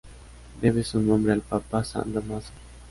Debe su nombre al papa San Dámaso.